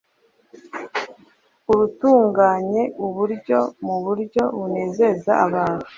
urutunganye uburyo muburyo bunezeza abantu